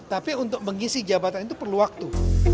tapi untuk mengisi jabatan itu perlu waktu